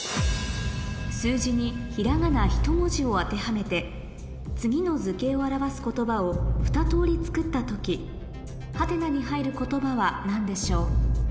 数字にひらがな１文字を当てはめて次の図形を表す言葉を２通り作った時「？」に入る言葉は何でしょう